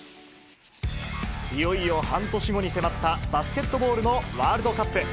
いよいよ半年後に迫った、バスケットボールのワールドカップ。